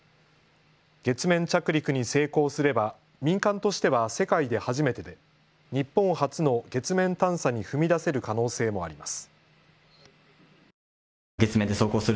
月面着陸に成功すれば民間としては世界で初めてで日本初の月面探査に踏み出せる可能性もあります。